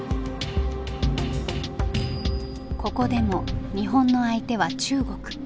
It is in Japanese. ここでも日本の相手は中国。